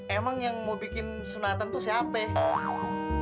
emang yang mau bikin sunatan tuh siapa ya